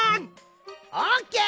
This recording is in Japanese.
オッケー！